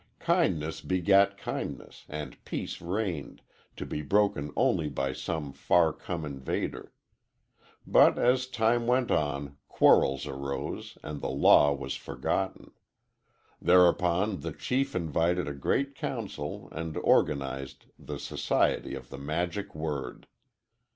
_' Kindness begat kindness, and peace reigned, to be broken only by some far come invader. But as time went on quarrels arose and the law was forgotten. Thereupon the chief invited a great council and organized the Society of the Magic Word.